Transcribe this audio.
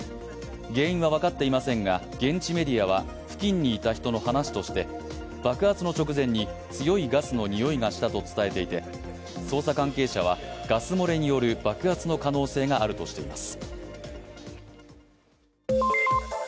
原因は分かっていませんが現地メディアは付近にいた人の話として爆発の直前に強いガスの臭いがしたと伝えていて捜査関係者はガス漏れによる爆発の可能性があるとしています。